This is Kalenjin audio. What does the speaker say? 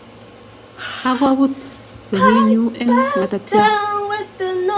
Kagobut kwenyenyu eng ngatatya